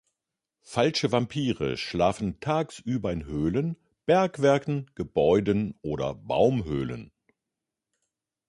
Falsche Vampire schlafen tagsüber in Höhlen, Bergwerken, Gebäuden oder Baumhöhlen.